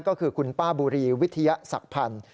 ก็คือคุณป้าบุรีวิทยาศักดิ์พันธ์